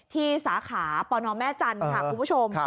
สาขาปนแม่จันทร์ค่ะคุณผู้ชม